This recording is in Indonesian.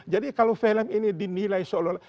jadi kalau film ini dinilai seolah olah